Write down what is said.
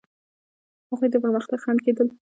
هغوی د پرمختګ خنډ کېدل.